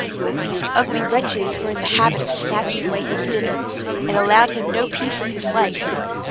These ugly wretches were in the habit of snatching away his dinner, and allowed him no peace of his life.